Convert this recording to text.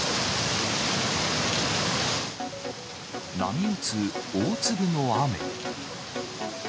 波打つ大粒の雨。